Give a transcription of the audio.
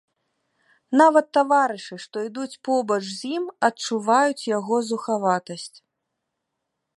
Нават таварышы, што ідуць побач з ім, адчуваюць яго зухаватасць.